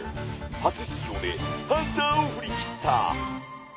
初出場でハンターを振り切った。